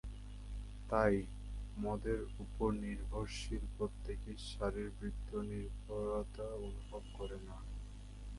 তাই, মদের ওপর নির্ভরশীল প্রত্যেকেই শারীরবৃত্তীয় নির্ভরতা অনুভব করে না।